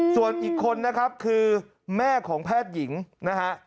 ส่วนอีกคนนะครับคือแม่ของแพทย์หญิงนะฮะ